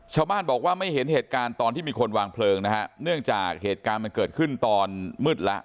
ชาวบ้านบอกว่าไม่เห็นเหตุการณ์ตอนที่มีคนวางเพลิงนะฮะเนื่องจากเหตุการณ์มันเกิดขึ้นตอนมืดแล้ว